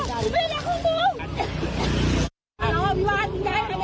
เจ้าหนี้ไม่มีข้าวมาได้